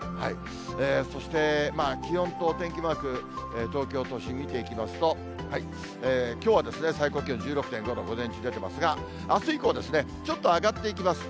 そして、気温とお天気マーク、東京都心見ていきますと、きょうは最高気温１６．５度、午前中出てますが、あす以降はちょっと上がっていきます。